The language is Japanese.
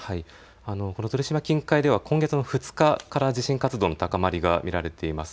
この鳥島近海では今月の２日から地震活動の高まりが見られています。